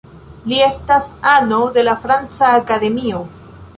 Li estas ano de la Franca Akademio.